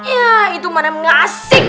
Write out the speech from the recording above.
ya itu mana yang ngasih dong kak